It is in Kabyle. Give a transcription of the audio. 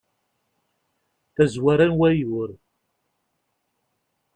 tazwara n wayyur